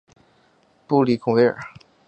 布里孔维尔。